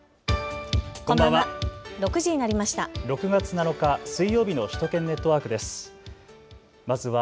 こんばんは。